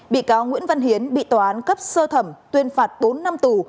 bị cáo nguyễn văn hiến bị tòa án cấp sơ thẩm tuyên phạt bốn năm tù